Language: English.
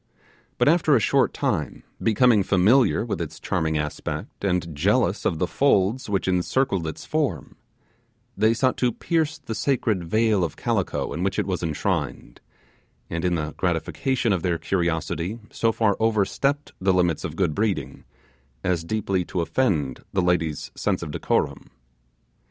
But after a short time, becoming familiar with its charming aspect, and jealous of the folds which encircled its form, they sought to pierce the sacred veil of calico in which it was enshrined, and in the gratification of their curiosity so far overstepped the limits of good breeding, as deeply to offend the lady's sense of decorum.